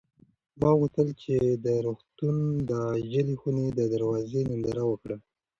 ما غوښتل چې د روغتون د عاجلې خونې د دروازې ننداره وکړم.